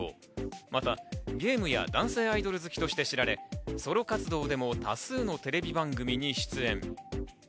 またゲームや男性アイドル好きとして知られ、ソロ活動としても多数のテレビ番組に出演。